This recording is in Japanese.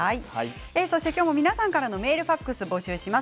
今日も皆さんからのメールファックスを募集します。